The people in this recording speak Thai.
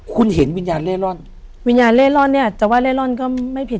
คุณเห็นวิญญาณเล่ร่อนวิญญาณเล่ร่อนเนี่ยแต่ว่าเล่ร่อนก็ไม่ผิด